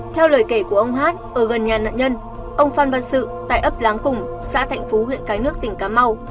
theo lời kể của ông hát ở gần nhà nạn nhân ông phan văn sự tại ấp láng cùng xã thạnh phú huyện cái nước tỉnh cà mau